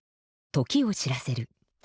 時を知らせる。